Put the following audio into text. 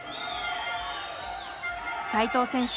齋藤選手